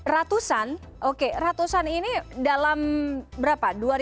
ratusan oke ratusan ini dalam berapa